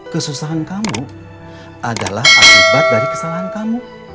kesusahan kamu adalah akibat dari kesalahan kamu